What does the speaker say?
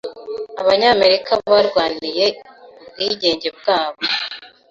Abanyamerika barwaniye ubwigenge bwabo.